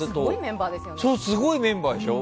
すごいメンバーでしょ？